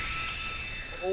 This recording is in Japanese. お！